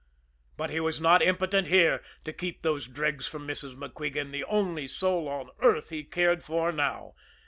But he was not impotent here to keep those dregs from Mrs. MacQuigan, the only soul on earth he cared for now.